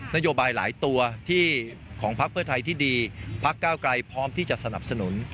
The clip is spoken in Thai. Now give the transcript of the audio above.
นโยบายหลายตัวที่ของพักเพื่อไทยที่ดีพักเก้าไกลพร้อมที่จะสนับสนุน